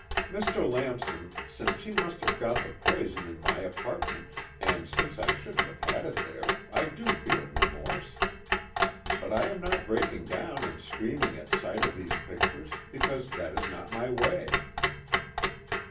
"Mr. Lamson, since she must have got the poison in my apartment, and since I shouldn't have had it there, I do feel remorse. But I am not breaking down and screaming at sight of these pictures, because that is not my way."